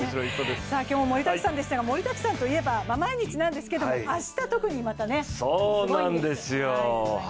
今日も盛りだくさんでしたが、盛りだくさんといえば毎日なんですが、明日、特にまたすごいんです。